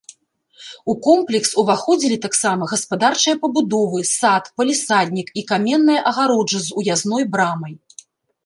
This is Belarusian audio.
У комплекс уваходзілі таксама гаспадарчыя пабудовы, сад, палісаднік і каменная агароджа з уязной брамай.